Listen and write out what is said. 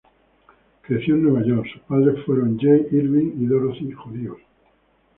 Creció en Nueva York; sus padres fueron Jay Irving y Dorothy, judíos.